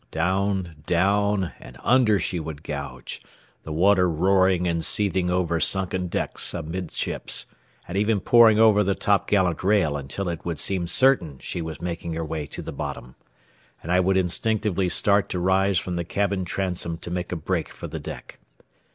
Down, down, and under she would gouge, the water roaring and seething over sunken decks amidships, and even pouring over the topgallant rail until it would seem certain she was making her way to the bottom, and I would instinctively start to rise from the cabin transom to make a break for the deck.